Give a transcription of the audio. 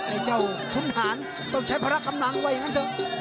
ไอ้เจ้าทุนหานต้องใช้พละคำหลังไว้อย่างนั้นสิ